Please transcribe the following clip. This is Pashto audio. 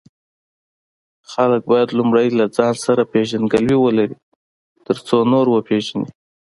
خلک باید لومړی له ځان سره پیژندګلوي ولري، ترڅو نور پیژني.